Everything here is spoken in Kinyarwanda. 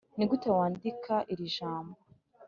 nigute wandika irijambo ?"